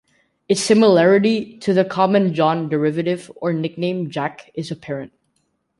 Its similarity to the common John derivative or nickname Jack is apparent.